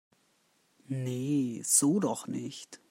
Nee, so doch nicht!